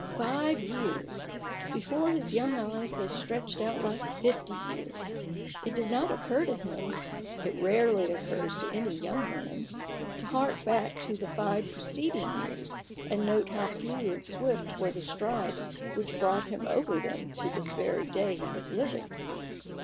Five years ! Before his young eyes they stretched out like fifty years. It did not occur to him (it rarely occurs to any young man) to hark back to the five preceding years and note how few and swift were the strides which brought him over them to this very day he was living.